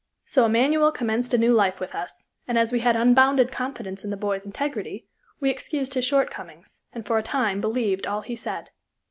So "Immanuel" commenced a new life with us, and as we had unbounded confidence in the boy's integrity, we excused his shortcomings, and, for a time, believed all he said.